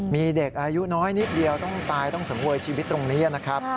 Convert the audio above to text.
มีเด็กอายุน้อยนิดเดียวต้องตายต้องสังเวยชีวิตตรงนี้นะครับ